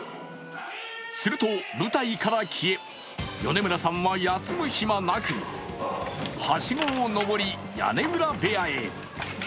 すると、舞台から消え、米村さんは休む暇なくはしごを上り、屋根裏部屋へ。